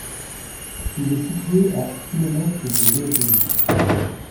Il est situé à km de Béruges.